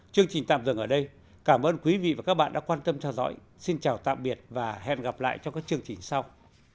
chương trình tạm dừng ở đây cảm ơn quý vị và các bạn đã quan tâm theo dõi xin chào tạm biệt và hẹn gặp lại trong các chương trình sau